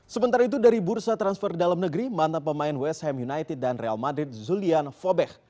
sementara itu dari bursa transfer dalam negeri mantan pemain west ham united dan real madrid zulian fobech